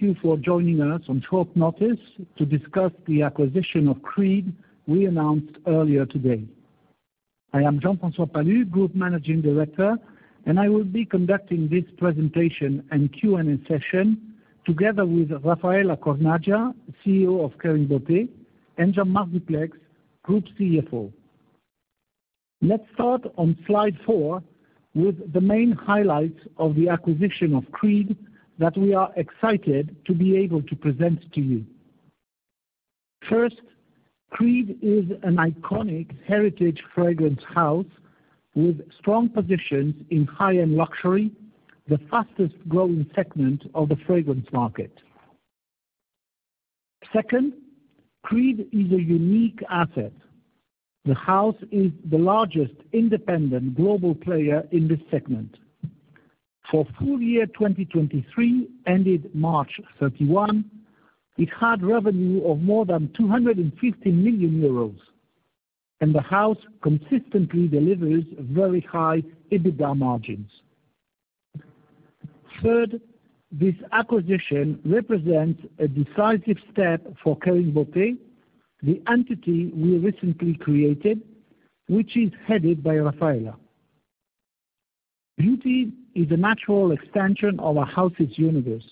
Thank you for joining us on short notice to discuss the acquisition of Creed we announced earlier today. I am Jean-François Palus, Group Managing Director, and I will be conducting this presentation and Q&A session together with Raffaella Cornaggia, CEO of Kering Beauté, and Jean-Marc Duplaix, Group CFO. Let's start on slide four with the main highlights of the acquisition of Creed that we are excited to be able to present to you. First, Creed is an iconic heritage fragrance house with strong positions in high-end luxury, the fastest-growing segment of the fragrance market. Second, Creed is a unique asset. The house is the largest independent global player in this segment. For full year 2023, ended March 31, it had revenue of more than 250 million euros, and the house consistently delivers very high EBITDA margins. Third, this acquisition represents a decisive step for Kering Beauté, the entity we recently created, which is headed by Raffaella. Beauty is a natural extension of our house's universe.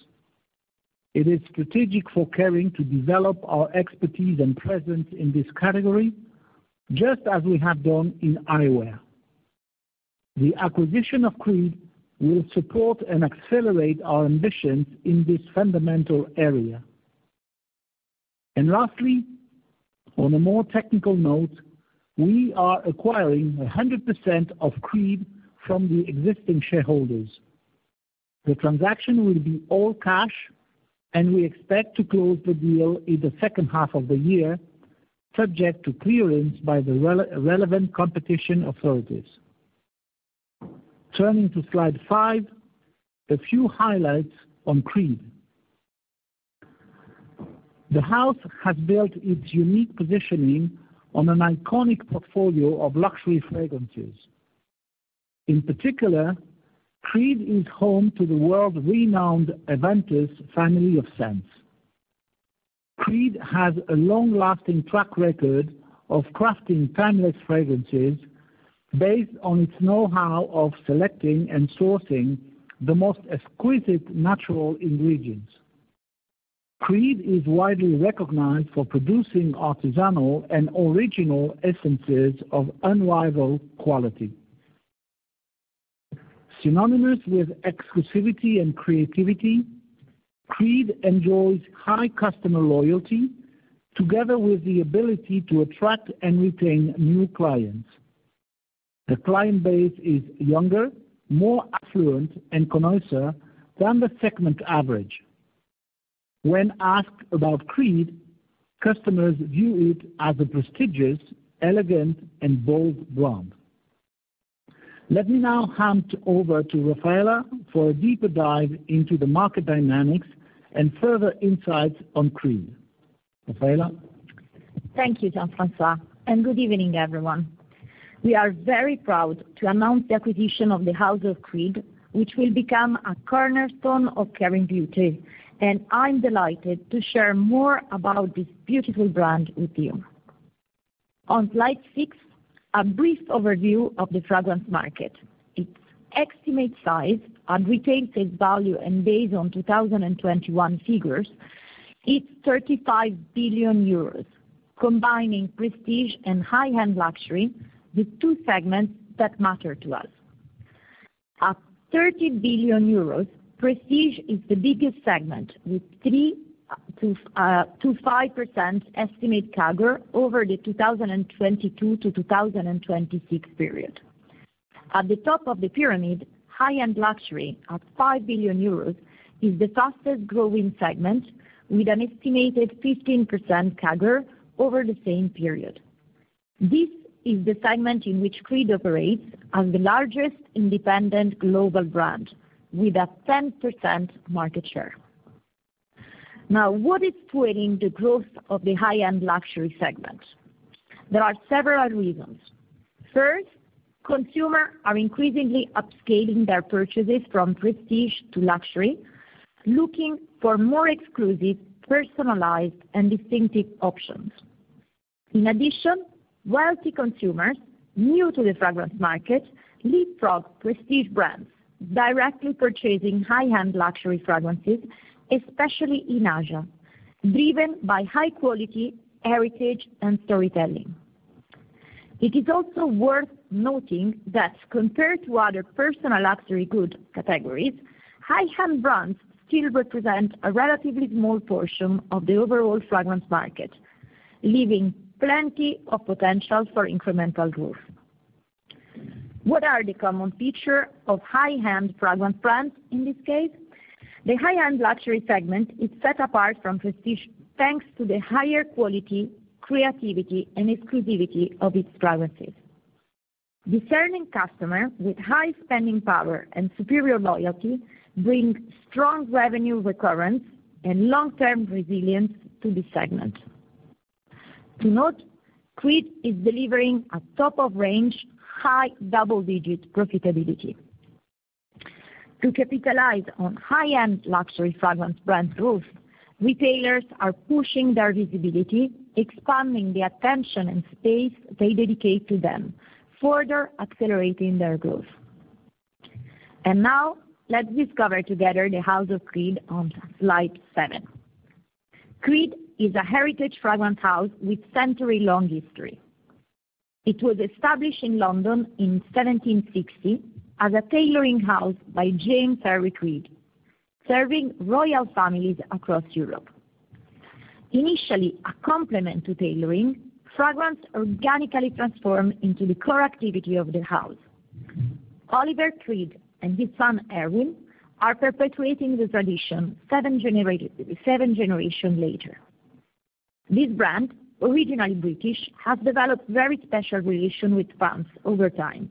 It is strategic for Kering to develop our expertise and presence in this category, just as we have done in eyewear. The acquisition of Creed will support and accelerate our ambitions in this fundamental eyewear. Lastly, on a more technical note, we are acquiring 100% of Creed from the existing shareholders. The transaction will be all cash, and we expect to close the deal in the second half of the year, subject to clearance by the relevant competition authorities. Turning to slide five, a few highlights on Creed. The house has built its unique positioning on an iconic portfolio of luxury fragrances. In particular, Creed is home to the world-renowned Aventus family of scents. Creed has a long-lasting track record of crafting timeless fragrances based on its know-how of selecting and sourcing the most exquisite natural ingredients. Creed is widely recognized for producing artisanal and original essences of unrivaled quality. Synonymous with exclusivity and creativity, Creed enjoys high customer loyalty together with the ability to attract and retain new clients. The client base is younger, more affluent, and connoisseur than the segment average. When asked about Creed, customers view it as a prestigious, elegant, and bold brand. Let me now hand over to Raffaella for a deeper dive into the market dynamics and further insights on Creed. Raffaella? Thank you, Jean-François. Good evening, everyone. We are very proud to announce the acquisition of the House of Creed, which will become a cornerstone of Kering Beauté. I'm delighted to share more about this beautiful brand with you. On slide six, a brief overview of the fragrance market. Its estimate size at retail sales value, based on 2021 figures, is 35 billion euros, combining prestige and high-end luxury, the two segments that matter to us. At 30 billion euros, prestige is the biggest segment, with 3%-5% estimate CAGR over the 2022-2026 period. At the top of the pyramid, high-end luxury, at 5 billion euros, is the fastest-growing segment, with an estimated 15% CAGR over the same period. This is the segment in which Creed operates as the largest independent global brand, with a 10% market share. What is driving the growth of the high-end luxury segment? There are several reasons. First, consumers are increasingly upscaling their purchases from prestige to luxury, looking for more exclusive, personalized, and distinctive options. In addition, wealthy consumers, new to the fragrance market, leapfrog prestige brands, directly purchasing high-end luxury fragrances, especially in Asia, driven by high quality, heritage, and storytelling. It is also worth noting that compared to other personal luxury good categories, high-end brands still represent a relatively small portion of the overall fragrance market, leaving plenty of potential for incremental growth. What are the common features of high-end fragrance brands in this case? The high-end luxury segment is set apart from prestige, thanks to the higher quality, creativity, and exclusivity of its fragrances. Discerning customers with high spending power and superior loyalty bring strong revenue recurrence and long-term resilience to the segment. To note, Creed is delivering a top of range, high double-digit profitability. To capitalize on high-end luxury fragrance brand growth, retailers are pushing their visibility, expanding the attention and space they dedicate to them, further accelerating their growth. Now, let's discover together the House of Creed on slide seven. Creed is a heritage fragrance house with century-long history. It was established in London in 1760, as a tailoring house by James Henry Creed, serving royal families across Europe. Initially, a complement to tailoring, fragrance organically transformed into the core activity of the house. Olivier Creed and his son, Erwin, are perpetuating the tradition seven generation later. This brand, originally British, has developed very special relation with France over time.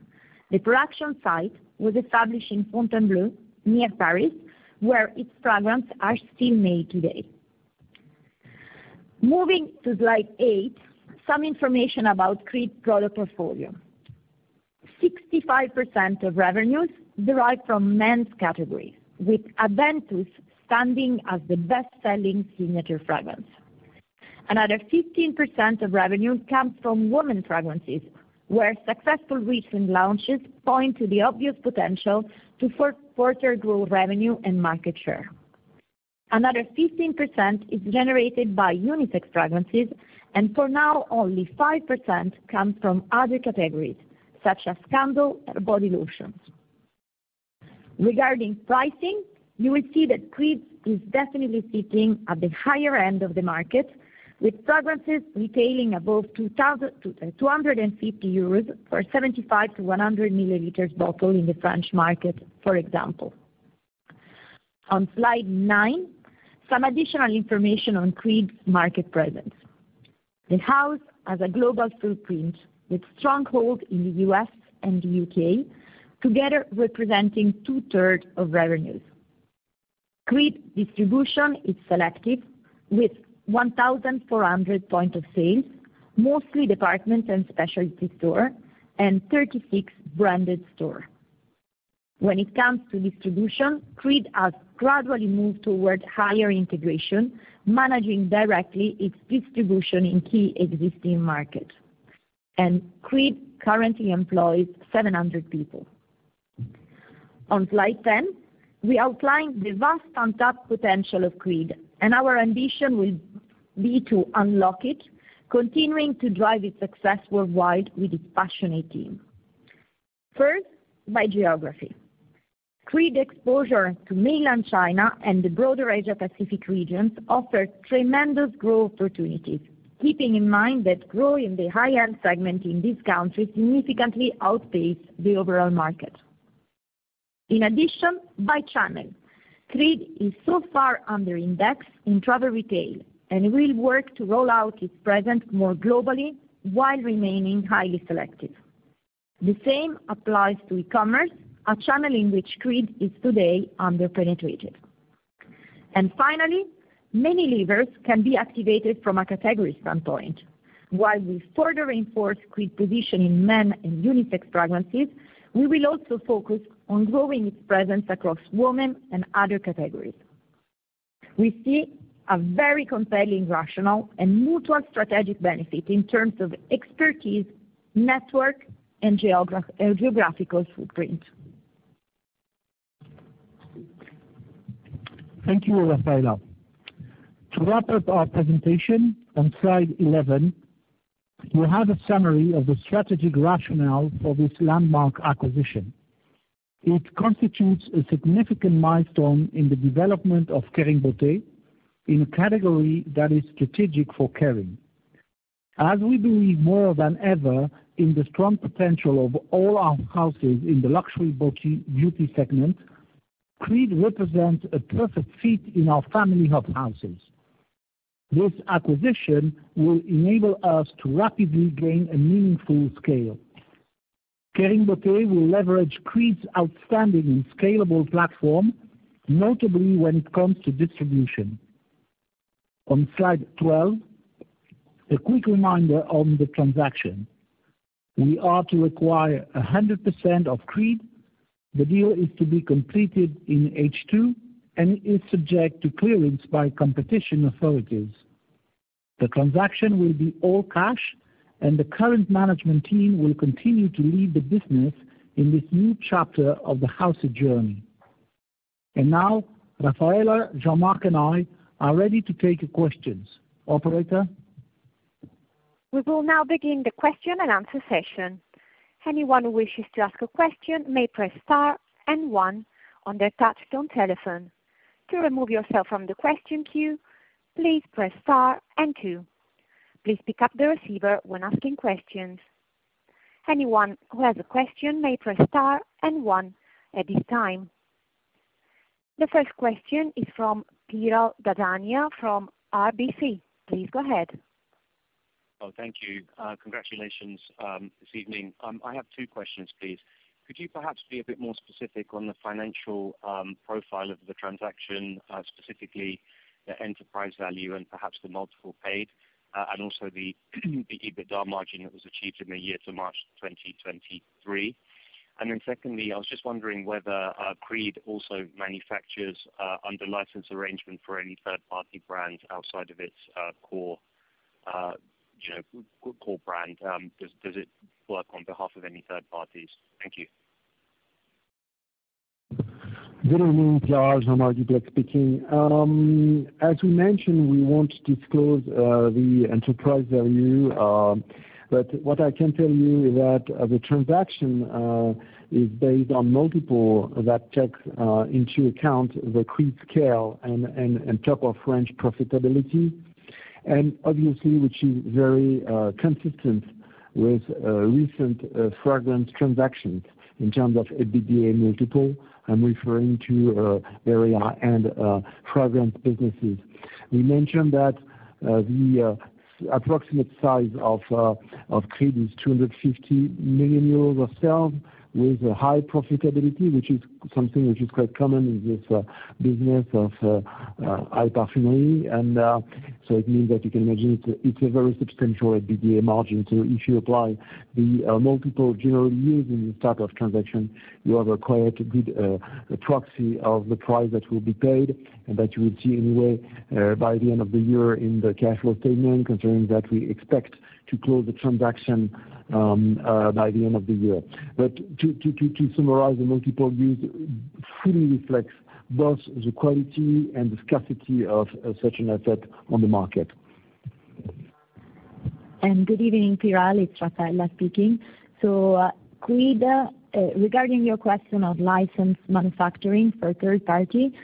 The production site was established in Fontainebleau, near Paris, where its fragrance are still made today. Moving to slide eight, some information about Creed product portfolio. 65% of revenues derive from men's category, with Aventus standing as the best-selling signature fragrance. Another 15% of revenue comes from women fragrances, where successful recent launches point to the obvious potential to further grow revenue and market share. Another 15% is generated by unisex fragrances. For now, only 5% comes from other categories, such as candle or body lotions. Regarding pricing, you will see that Creed is definitely sitting at the higher end of the market, with fragrances retailing above 2,250 euros for 75-100 milliliters bottle in the French market, for example. On slide nine, some additional information on Creed's market presence. The house has a global footprint with stronghold in the U.S. and the U.K., together representing 2/3 of revenues. Creed distribution is selective, with 1,400 point of sales, mostly department and specialty store, and 36 branded store. When it comes to distribution, Creed has gradually moved towards higher integration, managing directly its distribution in key existing markets. Creed currently employs 700 people. On slide 10, we outline the vast untapped potential of Creed, and our ambition will be to unlock it, continuing to drive its success worldwide with its passionate team. First, by geography. Creed exposure to mainland China and the broader Asia Pacific regions offer tremendous growth opportunities, keeping in mind that growth in the high-end segment in this country significantly outpace the overall market. In addition, by channel, Creed is so far under index in travel retail, we will work to roll out its presence more globally while remaining highly selective. The same applies to e-commerce, a channel in which Creed is today underpenetrated. Finally, many levers can be activated from a category standpoint. While we further reinforce Creed's position in men and unisex fragrances, we will also focus on growing its presence across women and other categories. We see a very compelling, rational, and mutual strategic benefit in terms of expertise, network, and geographical footprint. Thank you, Raffaella. To wrap up our presentation, on slide 11, you have a summary of the strategic rationale for this landmark acquisition. It constitutes a significant milestone in the development of Kering Beauté, in a category that is strategic for Kering. As we believe more than ever in the strong potential of all our houses in the luxury beauty segment, Creed represents a perfect fit in our family of houses. This acquisition will enable us to rapidly gain a meaningful scale. Kering Beauté will leverage Creed's outstanding and scalable platform, notably when it comes to distribution. On slide 12, a quick reminder on the transaction. We are to acquire 100% of Creed. The deal is to be completed in H2, and is subject to clearance by competition authorities. The transaction will be all cash, and the current management team will continue to lead the business in this new chapter of the house's journey. Now, Raffaella, Jean-Marc, and I are ready to take your questions. Operator? We will now begin the question-and-answer session. Anyone who wishes to ask a question may press star and one on their touchtone telephone. To remove yourself from the question queue, please press star and two. Please pick up the receiver when asking questions. Anyone who has a question may press star and one at this time. The first question is from Piral Dadhania from RBC. Please go ahead. Thank you. Congratulations this evening. I have two questions, please. Could you perhaps be a bit more specific on the financial profile of the transaction, specifically the enterprise value and perhaps the multiple paid, and also the EBITDA margin that was achieved in the year to March 2023? Secondly, I was just wondering whether Creed also manufactures under license arrangement for any third-party brand outside of its core, you know, core brand. Does it work on behalf of any third parties? Thank you. Good evening, Pierre, Jean-Marc Duplaix speaking. As we mentioned, we won't disclose the enterprise value, but what I can tell you is that the transaction is based on multiple that takes into account the Creed scale and top of range profitability, and obviously, which is very consistent with recent fragrance transactions in terms of EBITDA multiple. I'm referring to eyewear and fragrance businesses. We mentioned that the approximate size of Creed is 250 million euros of sales, with a high profitability, which is something which is quite common in this business of high perfumery. So it means that you can imagine it's a very substantial EBITDA margin. If you apply the multiple generally used in this type of transaction, you have a quite good proxy of the price that will be paid and that you will see anyway, by the end of the year in the cash flow statement, considering that we expect to close the transaction, by the end of the year. To summarize, the multiple used fully reflects both the quality and the scarcity of such an asset on the market. Good evening, Pierre, it's Raffaella speaking. Creed, regarding your question of licensed manufacturing for a third party,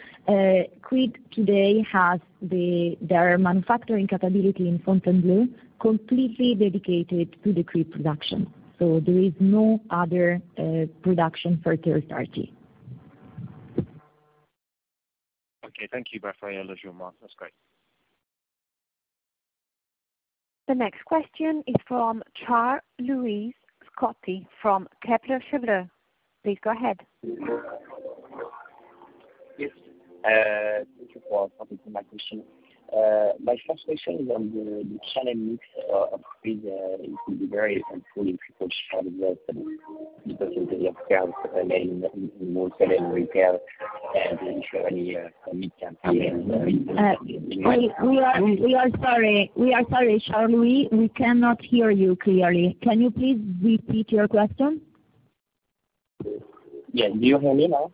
Creed today has their manufacturing capability in Fontainebleau, completely dedicated to the Creed production. There is no other production for third party. Okay, thank you, Raffaella, Jean-Marc, that's great. The next question is from Charles-Louis Scotti from Kepler Cheuvreux. Please go ahead. Yes, thank you for taking my question. My first question is on the channel mix of Creed. It will be very helpful if you could share with us the percentage of sales in wholesale and retail, and if you have any mix happening in-? We are sorry. We are sorry, Charles-Louis, we cannot hear you clearly. Can you please repeat your question? Yeah. Do you hear me now?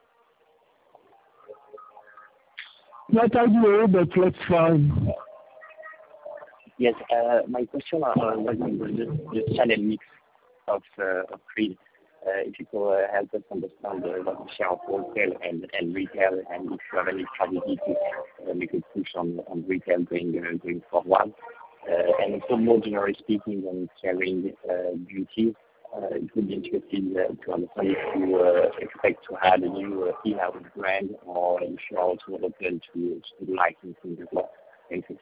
Not ideal, but let's try. Yes, my question was on the channel mix of Creed. If you could help us understand, the share of wholesale and retail, and if you have any strategies that you could push on retail going forward. More generally speaking, on Kering Beauté, it would be interesting, to understand if you, expect to add a new few house brand or if you are also open to licensing as well. Thank you.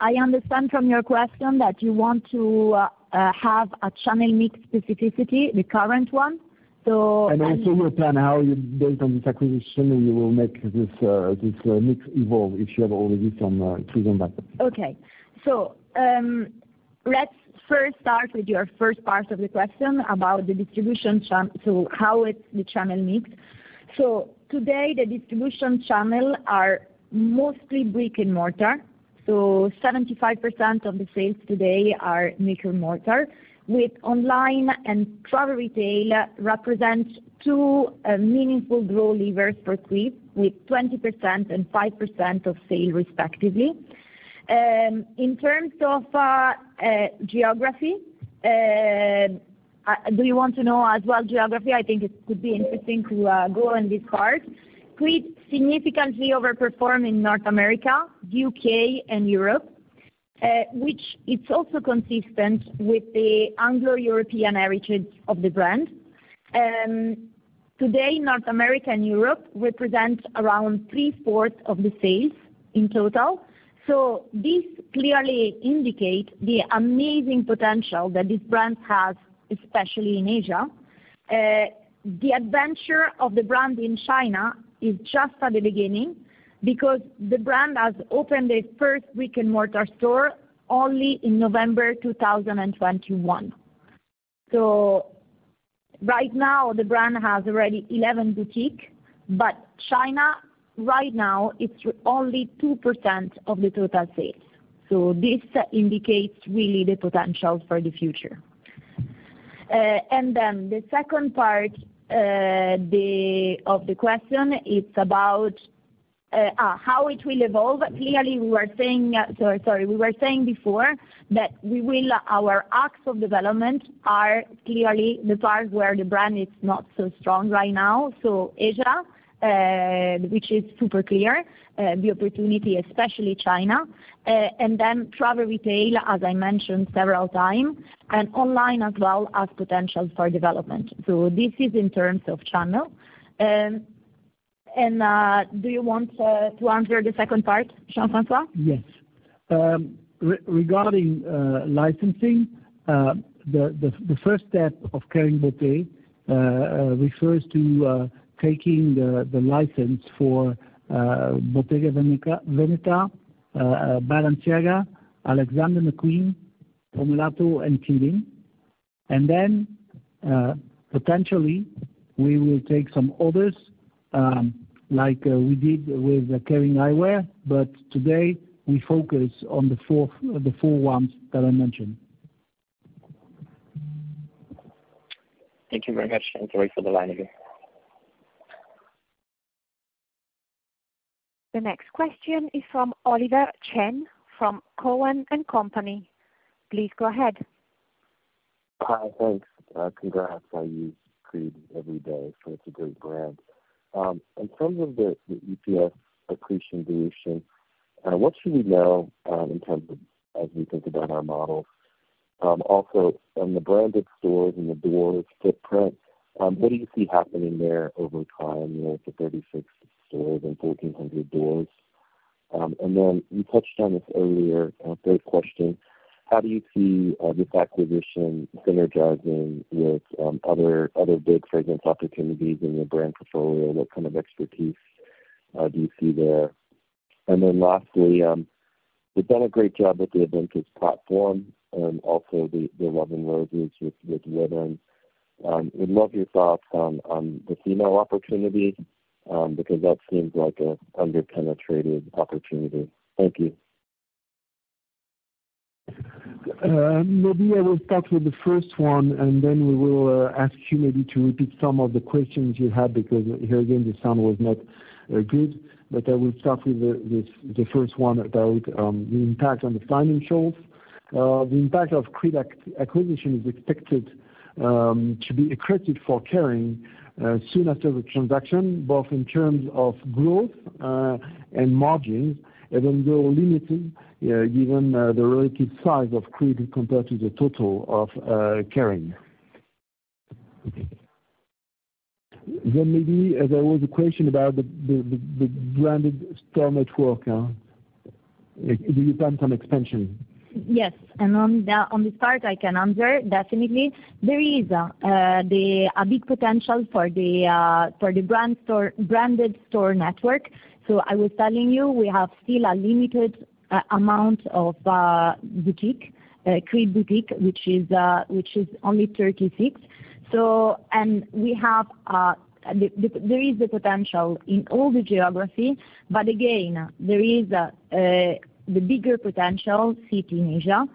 I understand from your question that you want to have a channel mix specificity, the current one. Also, return how you, based on this acquisition, you will make this mix evolve, if you have already some vision about it. Okay. let's first start with your first part of the question about the distribution. How is the channel mix? Today, the distribution channel is mostly brick-and-mortar. 75% of the sales today are brick-and-mortar, with online and travel retail represents two meaningful growth levers for Creed, with 20% and 5% of sales, respectively. In terms of geography, do you want to know as well geography? I think it could be interesting to go in this part. Creed significantly overperforms in North America, UK, and Europe, which is also consistent with the Anglo-European heritage of the brand. Today, North America and Europe represent around 3/4 of the sales in total. This clearly indicates the amazing potential that this brand has, especially in Asia. The adventure of the brand in China is just at the beginning, because the brand has opened its first brick-and-mortar store only in November 2021. Right now, the brand has already 11 boutique, but China, right now, it's only 2% of the total sales. This indicates really the potential for the future. The second part of the question, it's about how it will evolve. Clearly, we were saying before, that we will, our acts of development are clearly the parts where the brand is not so strong right now. Asia, which is super clear, the opportunity, especially China, travel retail, as I mentioned several times, and online as well, as potentials for development. This is in terms of channel. Do you want to answer the second part, Jean-François? Yes. regarding licensing the first step of Kering Beauté refers to taking the license for Bottega Veneta, Balenciaga, Alexander McQueen, Pomellato, and Boucheron. ...And then, potentially, we will take some others, like, we did with the Kering Eyewear, but today we focus on the four ones that I mentioned. Thank you very much, and sorry for the line again. The next question is from Oliver Chen, from Cowen and Company. Please go ahead. Hi, thanks. Congrats. I use Creed every day, so it's a great brand. In terms of the EPS accretion dilution, what should we know in terms of as we think about our models? Also, on the branded stores and the doors footprint, what do you see happening there over time? You know, it's a 36 stores and 1,400 doors. You touched on this earlier, third question: How do you see this acquisition synergizing with other big fragrance opportunities in your brand portfolio? What kind of expertise do you see there? Lastly, you've done a great job with the Aventus platform and also the Love and Roses with women. We'd love your thoughts on the female opportunity because that seems like a under-penetrated opportunity. Thank you. Maybe I will start with the first one, and then we will ask you maybe to repeat some of the questions you had, because here again, the sound was not good. I will start with the first one about the impact on the financials. The impact of Creed acquisition is expected to be accredited for Kering soon after the transaction, both in terms of growth and margins, even though limited given the relative size of Creed compared to the total of Kering. Okay. Maybe, as there was a question about the branded store network, do you plan some expansion? Yes, on this part, I can answer definitely. There is a big potential for the brand store, branded store network. I was telling you, we have still a limited amount of boutique, Creed boutique, which is only 36. There is a potential in all the geography, but again, there is the bigger potential city in Asia.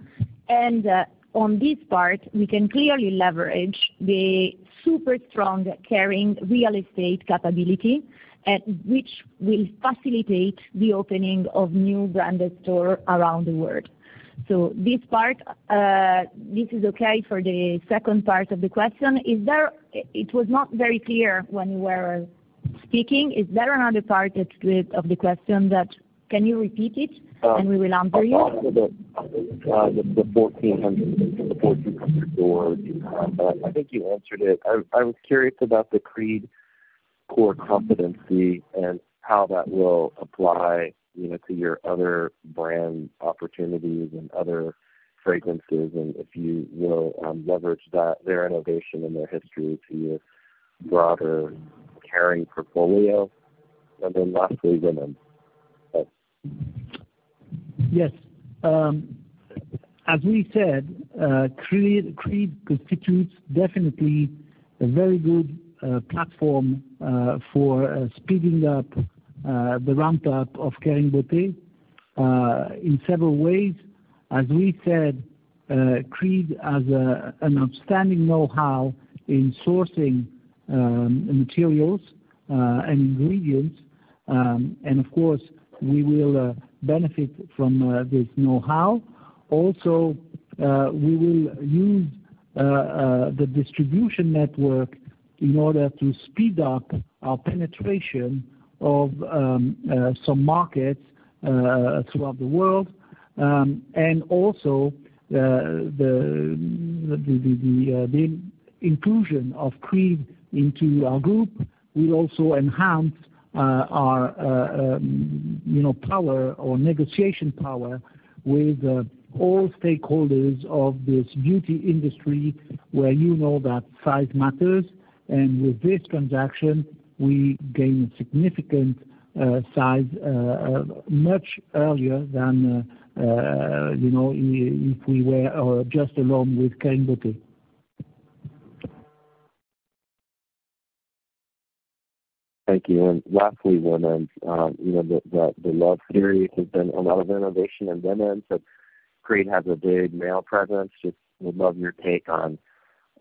On this part, we can clearly leverage the super strong Kering real estate capability, which will facilitate the opening of new branded store around the world. This part, this is okay for the second part of the question. It was not very clear when you were speaking. Is there another part that's good of the question, Can you repeat it and we will answer you? The 1,400 stores. I think you answered it. I was curious about the Creed core competency and how that will apply, you know, to your other brand opportunities and other fragrances, and if you will, leverage that, their innovation and their history to your broader Kering portfolio. Lastly, women. Yes. As we said, Creed constitutes definitely a very good platform for speeding up the ramp up of Kering Beauté in several ways. As we said, Creed has an outstanding know-how in sourcing materials and ingredients, and of course, we will benefit from this know-how. Also, we will use the distribution network in order to speed up our penetration of some markets throughout the world. Also, the inclusion of Creed into our group will also enhance our, you know, power or negotiation power with all stakeholders of this beauty industry, where you know that size matters. With this transaction, we gain significant size much earlier than, you know, if we were just alone with Kering Beauté. Thank you. Lastly, women, you know, the Love series has been a lot of innovation in women's, but Creed has a big male presence. Just would love your take on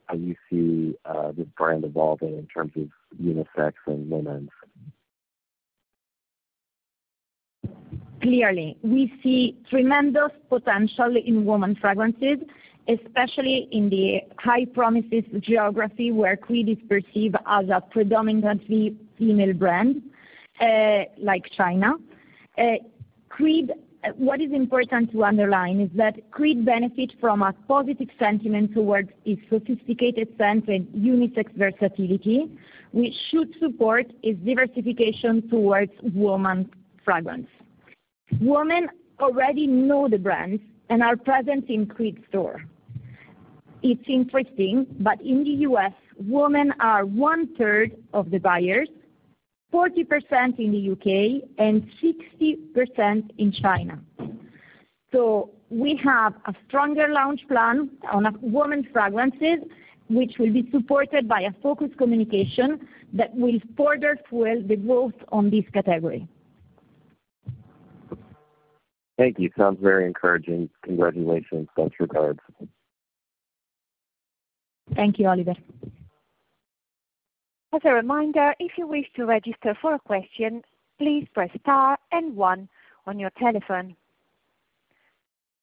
how you see this brand evolving in terms of unisex and women's. Clearly, we see tremendous potential in women's fragrances, especially in the high promises geography, where Creed is perceived as a predominantly female brand, like China. Creed, what is important to underline is that Creed benefit from a positive sentiment towards its sophisticated scent and unisex versatility, which should support its diversification towards women's fragrance. Women already know the brands and are present in Creed store. It's interesting, but in the U.S., women are 1/3 of the buyers, 40% in the U.K. and 60% in China. We have a stronger launch plan on a women's fragrances, which will be supported by a focused communication that will further fuel the growth on this category. Thank you. Sounds very encouraging. Congratulations. Best regards. Thank you, Oliver. As a reminder, if you wish to register for a question, please press star and one on your telephone.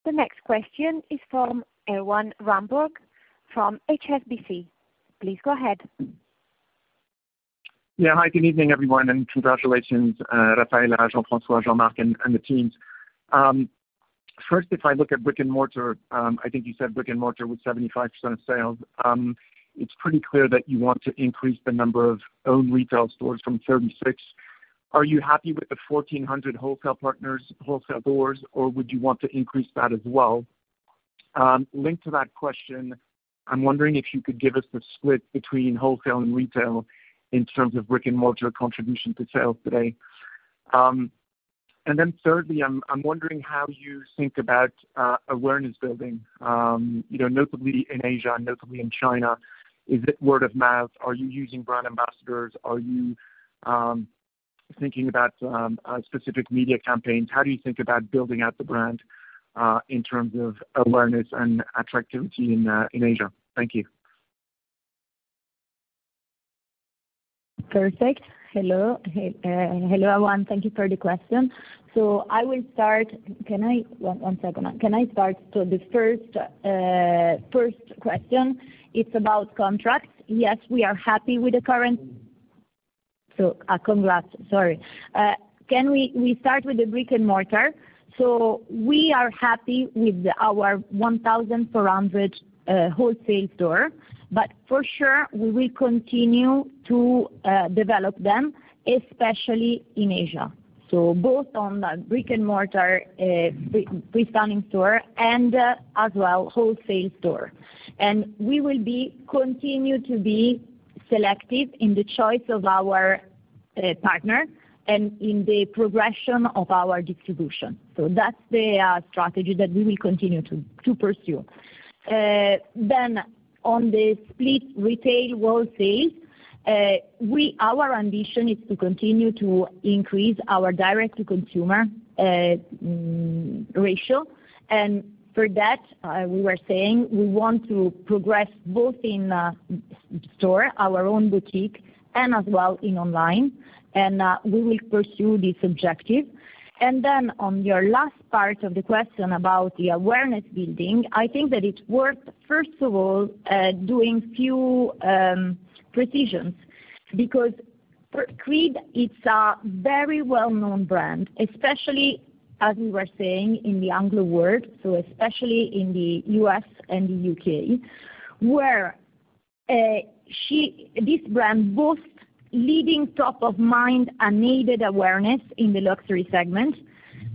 The next question is from Erwan Rambourg, from HSBC. Please go ahead. Hi, good evening, everyone, congratulations, Raffaella, Jean-François, Jean-Marc, and the teams. First, if I look at brick-and-mortar, I think you said brick-and-mortar with 75% of sales. It's pretty clear that you want to increase the number of own retail stores from 36. Are you happy with the 1,400 wholesale partners, wholesale doors, or would you want to increase that as well? Linked to that question, I'm wondering if you could give us the split between wholesale and retail in terms of brick-and-mortar contribution to sales today. Thirdly, I'm wondering how you think about awareness building, you know, notably in Asia and notably in China. Is it word of mouth? Are you using brand ambassadors? Are you thinking about specific media campaigns? How do you think about building out the brand, in terms of awareness and attractivity in Asia? Thank you. Perfect. Hello, Erwan. Thank you for the question. I will start. Can I start? The first question, it's about contracts. Yes, we are happy with the current. Congrats, sorry. Can we start with the brick-and-mortar. We are happy with our 1,400 wholesale store, for sure, we will continue to develop them, especially in Asia. Both on the brick-and-mortar, free-standing store and, as well, wholesale store. We will continue to be selective in the choice of our partner and in the progression of our distribution. That's the strategy that we will continue to pursue. Then on the split retail, wholesale, our ambition is to continue to increase our direct-to-consumer ratio. For that, we were saying we want to progress both in store, our own boutique, and as well in online, and we will pursue this objective. Then on your last part of the question about the awareness building, I think that it's worth, first of all, doing few precisions, because for Creed, it's a very well-known brand, especially as we were saying, in the Anglo world, so especially in the U.S. and the U.K., where this brand boasts leading top of mind unaided awareness in the luxury segment.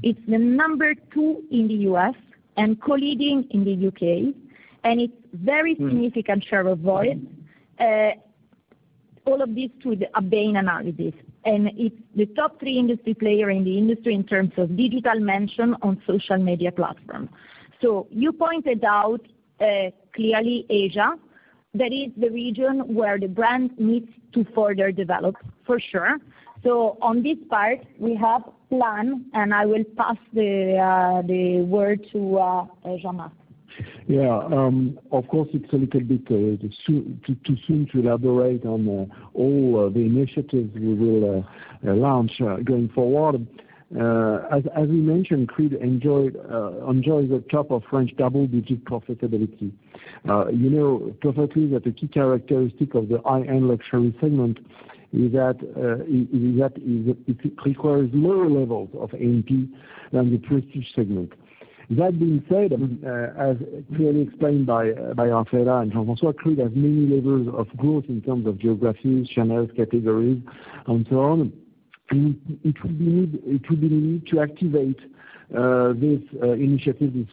It's the number two in the U.S. and co-leading in the U.K., and it's very significant share of voice. All of this to the a Bain analysis, and it's the top three industry player in the industry in terms of digital mention on social media platforms. You pointed out, clearly, Asia, that is the region where the brand needs to further develop, for sure. On this part, we have plan, and I will pass the word to Jean-Marc. Of course, it's a little bit too soon to elaborate on all the initiatives we will launch going forward. As we mentioned, Creed enjoys the top of French double-digit profitability. You know perfectly that the key characteristic of the high-end luxury segment is that it requires lower levels of AMP than the prestige segment. That being said, as clearly explained by Raffaella and Jean-François, Creed has many levels of growth in terms of geographies, channels, categories, and so on. It will be need to activate this initiative,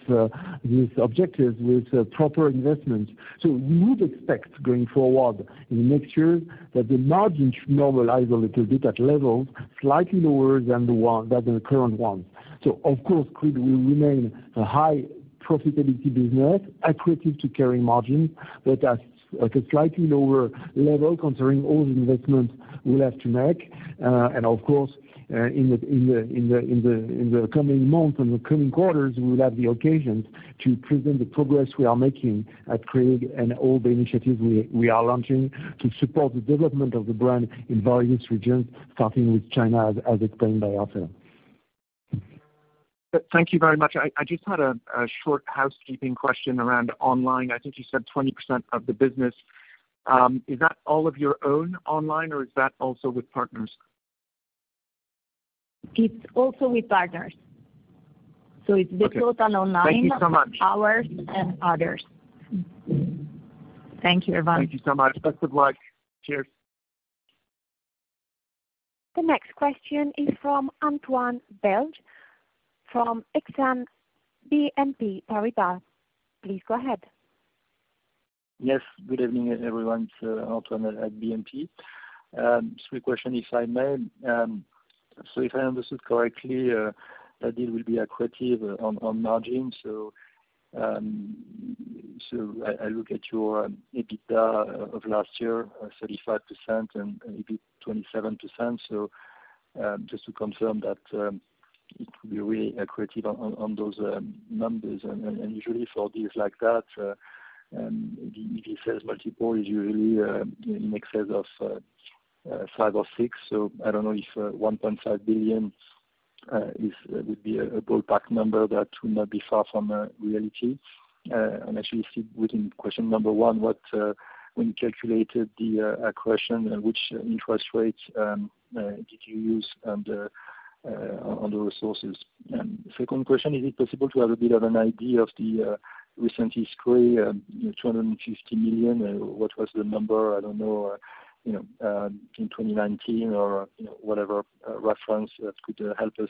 with objectives, with proper investment. We would expect, going forward in the next year, that the margin should normalize a little bit at levels slightly lower than the current one. Of course, Creed will remain a high profitability business, accretive to Kering margin, but at a slightly lower level, considering all the investments we'll have to make. Of course, in the coming months, and the coming quarters, we will have the occasions to present the progress we are making at Creed and all the initiatives we are launching to support the development of the brand in various regions, starting with China, as explained by Raffaella. Thank you very much. I just had a short housekeeping question around online. I think you said 20% of the business. Is that all of your own online, or is that also with partners? It's also with partners. Okay. The total online- Thank you so much. Ours and others. Thank you, Erwan. Thank you so much. Best of luck. Cheers. The next question is from Antoine Belge, from Exane BNP Paribas. Please go ahead. Yes, good evening, everyone. It's Antoine at BNP. Three question if I may. If I understood correctly, that deal will be accretive on margin. I look at your EBITDA of last year, 35% and EBIT 27%. Just to confirm that it will be really accretive on those numbers. Usually for deals like that, the sales multiple is usually in excess of five or six. I don't know if 1.5 billion would be a ballpark number that would not be far from reality. Actually, within question number one, what when you calculated the acquisition, which interest rates did you use on the resources? Second question, is it possible to have a bit of an idea of the recent history, 250 million, what was the number? I don't know, you know, in 2019 or, you know, whatever, reference that could help us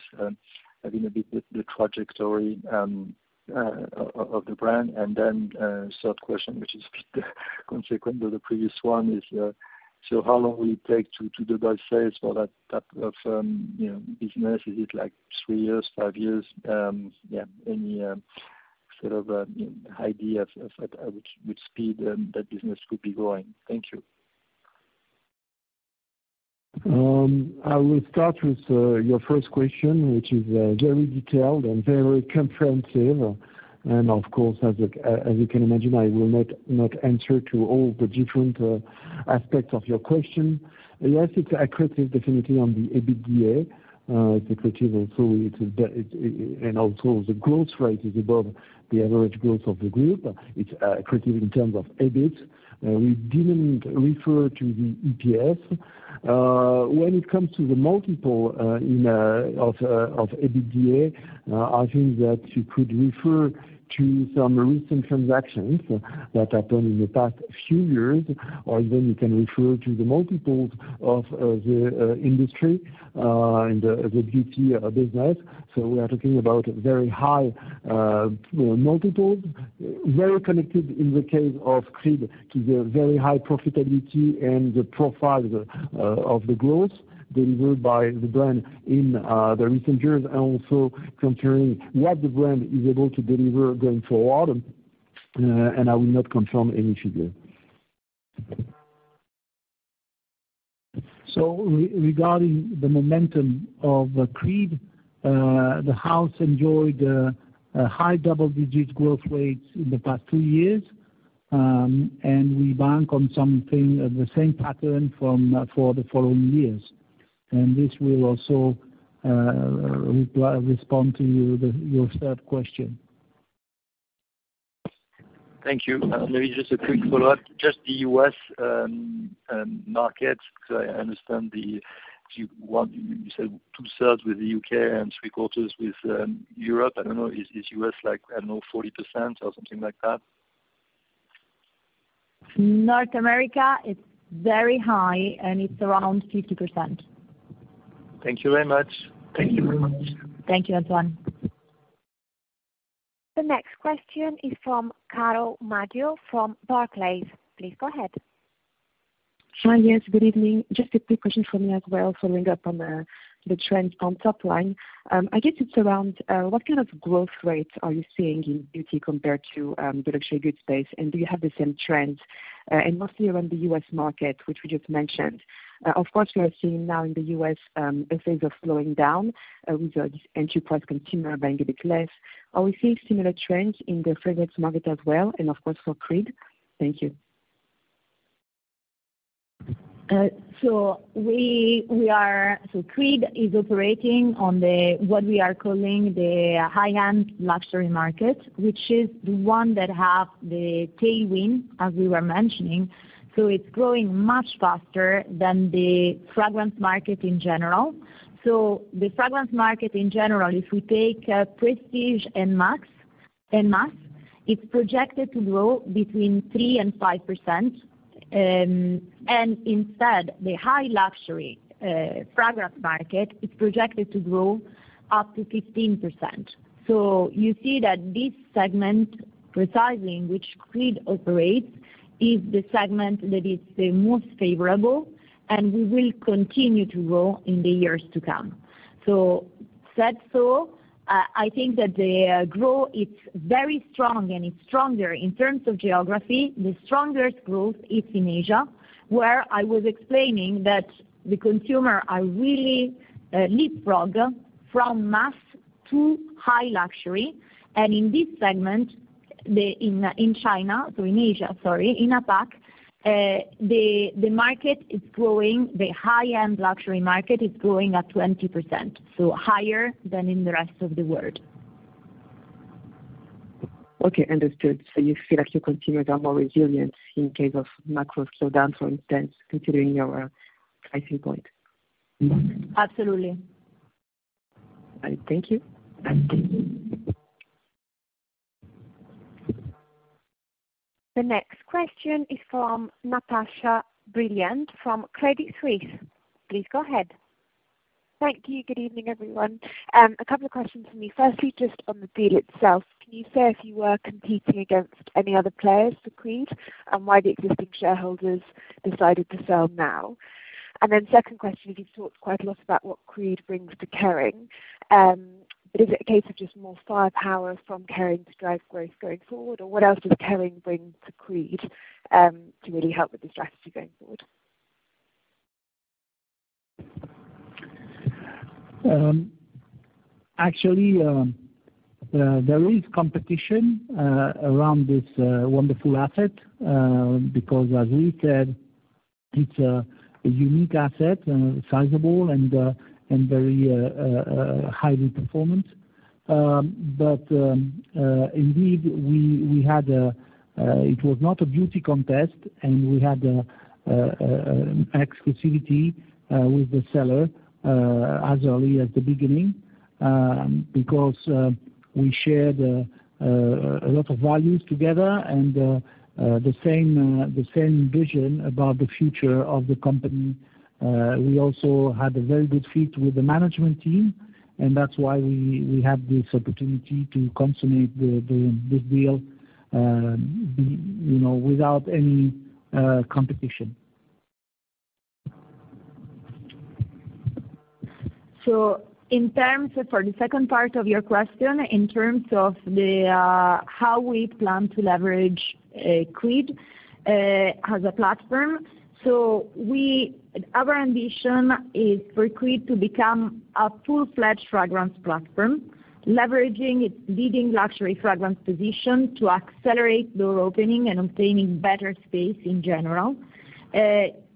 having a bit, the trajectory of the brand. Then, third question, which is consequent of the previous one, is, so how long will it take to double sales for that type of, you know, business? Is it like three years, five years? Yeah, any sort of idea of at which speed that business could be growing? Thank you. I will start with your first question, which is very detailed and very comprehensive. Of course, as you can imagine, I will not answer to all the different aspects of your question. Yes, it's accretive, definitely, on the EBITDA. Accretive also, it's, and also the growth rate is above the average growth of the group. It's accretive in terms of EBIT. We didn't refer to the EPS. When it comes to the multiple of EBITDA, I think that you could refer to some recent transactions that happened in the past few years, or then you can refer to the multiples of the industry in the beauty business. We are talking about very high multiples, very connected in the case of Creed, to the very high profitability and the profile of the growth delivered by the brand in the recent years, also considering what the brand is able to deliver going forward. I will not confirm any figure. Regarding the momentum of Creed, the house enjoyed a high double-digit growth rate in the past two years. We bank on something, the same pattern from for the following years. This will also respond to you, the, your third question. Thank you. Maybe just a quick follow-up. Just the U.S. market, because I understand, you said 2/3 with the U.K. and 3/4 with Europe. I don't know, is U.S. like, I don't know, 40% or something like that? North America, it's very high, and it's around 50%. Thank you very much. Thank you very much. Thank you, Antoine. The next question is from Carole Madjo from Barclays. Please go ahead. Hi, yes, good evening. Just a quick question from me as well, following up on the trend on top line. I guess it's around what kind of growth rates are you seeing in beauty compared to luxury goods space? Do you have the same trend and mostly around the U.S. market, which we just mentioned? Of course, we are seeing now in the U.S. effects of slowing down with enterprise consumer buying a bit less. Are we seeing similar trends in the fragrance market as well, and of course, for Creed? Thank you. Creed is operating on what we are calling the high-end luxury market, which is the one that have the tailwind, as we were mentioning. It's growing much faster than the fragrance market in general. The fragrance market, in general, if we take prestige and mass, it's projected to grow between 3% and 5%. Instead, the high luxury fragrance market is projected to grow up to 15%. You see that this segment, precisely in which Creed operates, is the segment that is the most favorable, and we will continue to grow in the years to come. Said so, I think that growth is very strong, and it's stronger in terms of geography. The strongest growth is in Asia, where I was explaining that the consumer are really leapfrog from mass to high luxury. In this segment, in China, so in Asia, sorry, in APAC, the market is growing, the high-end luxury market is growing at 20%, so higher than in the rest of the world. Okay, understood. You feel like your consumers are more resilient in case of macro slowdown, for instance, considering your pricing point? Absolutely. Thank you. Thank you. The next question is from Natasha Brilliant, from Credit Suisse. Please go ahead. Thank you. Good evening, everyone. A couple of questions for me. Firstly, just on the deal itself, can you say if you were competing against any other players for Creed, and why the existing shareholders decided to sell now? Second question, you've talked quite a lot about what Creed brings to Kering. Is it a case of just more firepower from Kering to drive growth going forward? What else does Kering bring to Creed, to really help with the strategy going forward? Actually, there is competition around this wonderful asset, because as we said, it's a unique asset, sizable and very highly performant. Indeed, we had a, it was not a beauty contest, and we had exclusivity with the seller as early as the beginning, because we shared a lot of values together and the same vision about the future of the company. We also had a very good fit with the management team, that's why we have this opportunity to consummate this deal, you know, without any competition. For the second part of your question, in terms of how we plan to leverage Creed as a platform. Our ambition is for Creed to become a full-fledged fragrance platform, leveraging its leading luxury fragrance position to accelerate door opening and obtaining better space in general.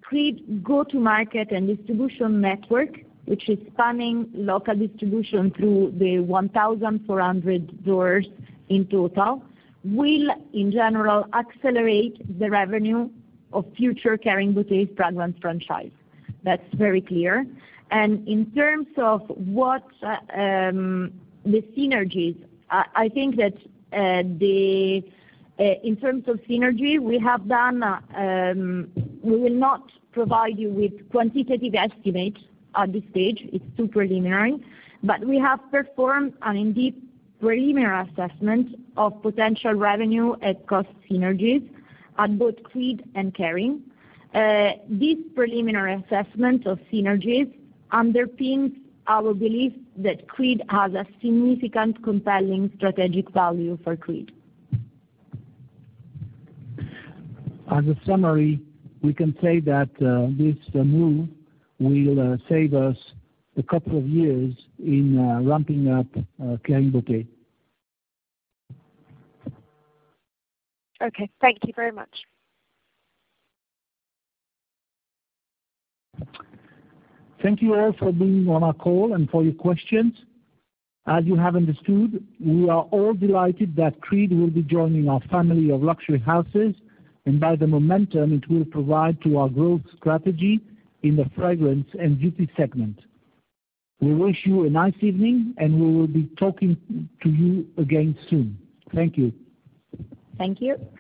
Creed go-to-market and distribution network, which is spanning local distribution through the 1,400 doors in total, will, in general, accelerate the revenue of future Kering boutique fragrance franchise. That's very clear. In terms of what the synergies, I think that in terms of synergy, we will not provide you with quantitative estimates at this stage. It's too preliminary, but we have performed an in-depth preliminary assessment of potential revenue at cost synergies at both Creed and Kering. This preliminary assessment of synergies underpins our belief that Creed has a significant, compelling strategic value for Creed. As a summary, we can say that this move will save us a couple of years in ramping up Kering Beauté. Okay, thank you very much. Thank you all for being on our call and for your questions. As you have understood, we are all delighted that Creed will be joining our family of luxury houses, and by the momentum it will provide to our growth strategy in the fragrance and beauty segment. We wish you a nice evening, and we will be talking to you again soon. Thank you. Thank you.